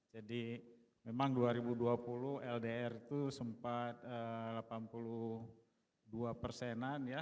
jadi memang dua ribu dua puluh ldr itu sempat delapan puluh dua an ya